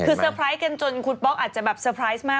คือเตอร์ไพรส์กันจนคุณป๊อกอาจจะแบบเตอร์ไพรส์มาก